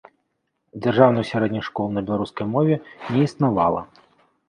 Дзяржаўных сярэдніх школ на беларускай мове не існавала.